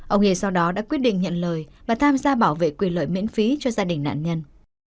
ông hề sau đó đã quyết định nhận lời và tham gia bảo vệ quyền lợi miễn phí cho gia đình nạn nhân